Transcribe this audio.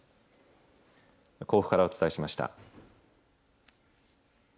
甲府からお伝えしました。